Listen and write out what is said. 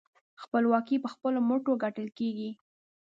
خپلواکي په خپلو مټو ګټل کېږي.